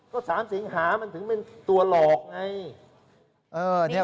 ก็๓สิงหามันถึงเป็นตัวหลอกไง